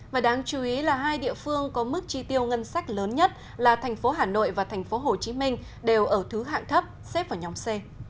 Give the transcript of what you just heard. và đáng chú ý là hai địa phương có mức chi tiêu ngân sách lớn nhất là thành phố hà nội và thành phố hồ chí minh đều ở thứ hạng thấp xếp vào nhóm c